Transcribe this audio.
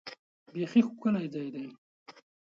بیخي ښکلی ځای دی .